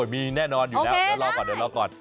อ้อมีแน่นอนอยู่แล้วเดี๋ยวรอก่อน